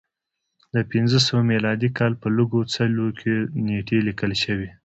د پنځه سوه میلادي کال کې په لږو څلیو کې نېټې لیکل شوې